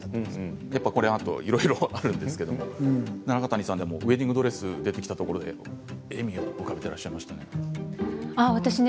このあといろいろあるんですが中谷さん、ウエディングドレスが出てきたところで笑みを浮かべていましたね。